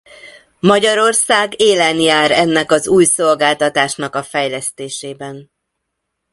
Magyarország élen jár ennek az új szolgáltatásnak a fejlesztésében.